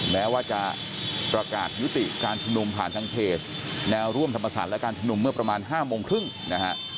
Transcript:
แม้ว่าจะประกาศยุติการชุมนุมผ่านทางเพจแนวร่วมธรรมศาสตร์และการชุมนุมเมื่อประมาณ๕โมงครึ่งนะฮะ